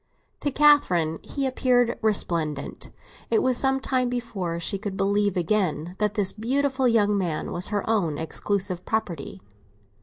To Catherine he appeared resplendent; it was some time before she could believe again that this beautiful young man was her own exclusive property.